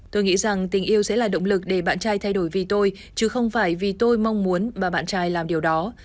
tôi nghĩ rằng tình yêu sẽ là động lực để bạn trai thay đổi vì tôi chứ không phải vì tôi mong muốn bà bạn trai làm điều đó